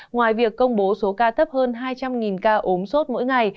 ngoài việc công bố số ca tấp hơn hai trăm linh ca ốm sốt mỗi ngày